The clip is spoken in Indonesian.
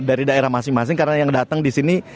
dari daerah masing masing karena yang datang disini